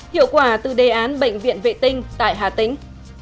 hiệu quả từ đề án bệnh viện vệ tinh tại hà tĩnh